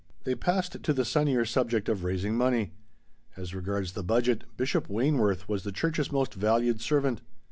They passed to the sunnier subject of raising money. As regards the budget, Bishop Wayneworth was the church's most valued servant.